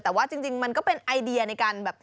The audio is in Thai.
แต่ว่าจริงมันก็เป็นไอเดียในการแบบ